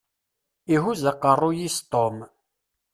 Ihuzz aqeṛṛuy-is Tom.